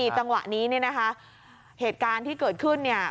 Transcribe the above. จังหวะนี้เนี่ยนะคะเหตุการณ์ที่เกิดขึ้นเนี่ย